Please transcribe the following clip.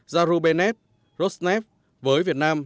zarubenev rosnev với việt nam